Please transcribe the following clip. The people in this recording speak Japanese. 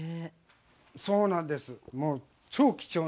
そうなんです。